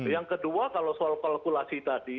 yang kedua kalau soal kalkulasi tadi